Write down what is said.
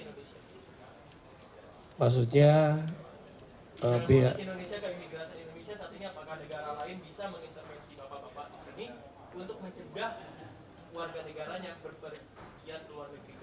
yang berpergian dari indonesia begitu